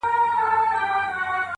لا لکه غر پر لمن کاڼي لري-